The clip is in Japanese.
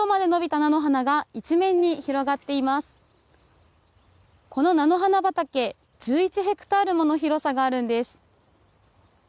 この菜の花畑、１１ヘクタールもの広さがあるんです。